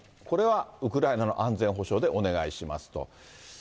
これはウクライナの安全保障でお願いしますと。